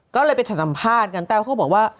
ก็เลยไปสัมภาษณ์กันแต้วเขาบอกว่า